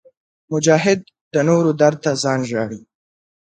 مجاهد د نورو درد ته ځان ژاړي.